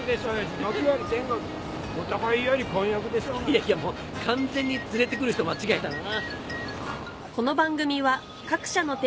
いやいやもう完全に連れて来る人間違えたな。